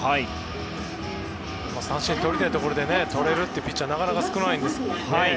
三振をとりたいところでとれるというピッチャーはなかなか少ないんですけど。